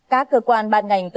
các cơ quan ban ngành